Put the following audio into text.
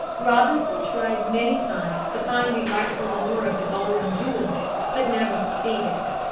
Robinson tried many times to find the rightful owner of the gold and jewels, but never succeeded.